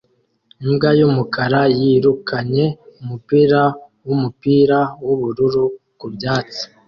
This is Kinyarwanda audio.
Imbwa yumukara yirukanye umupira wumupira wubururu ku byatsi